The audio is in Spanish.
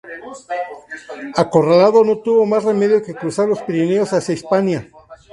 Acorralado, no tuvo más remedio que cruzar los Pirineos hacia Hispania.